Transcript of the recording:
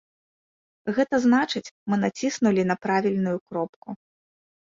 Гэта значыць, мы націснулі на правільную кропку.